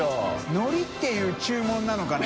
のり」っていう注文なのかね？